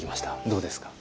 どうですか？